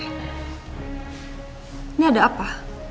ini ada apa